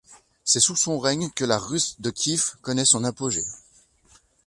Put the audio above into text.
C'est sous son règne que la Rus' de Kiev connaît son apogée.